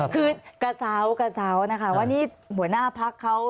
คือกระเซานะคะวันนี้หัวหน้าพักเขา